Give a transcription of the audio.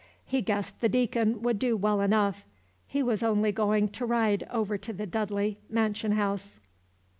He guessed the Deacon would do well enough. He was only going to ride over to the Dudley mansion house.